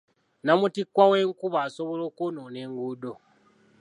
Nnamutikwa w'enkuba asobola okwonoona enguudo.